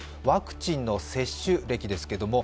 ワクチンの接種歴です。